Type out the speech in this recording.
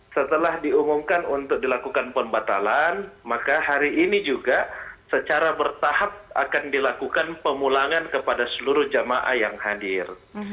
setelah diumumkan untuk dilakukan pembatalan maka hari ini juga secara bertahap akan dilakukan pemulangan kepada seluruh jamaah yang hadir